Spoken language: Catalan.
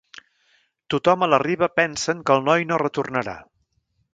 Tothom a la riba pensen que el noi no retornarà.